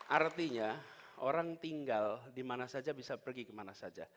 artinya orang tinggal dimana saja bisa pergi kemana saja